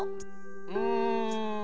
うん。